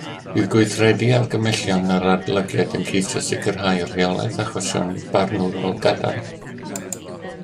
Bydd gweithredu argymhellion yr adolygiad yn ceisio sicrhau rheolaeth achosion barnwrol gadarn